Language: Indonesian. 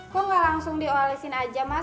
kok nggak langsung diolesin aja mas